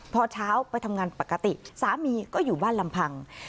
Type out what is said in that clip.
พอเช้าไปทำงานปกติสามีก็อยู่บ้านลำพัง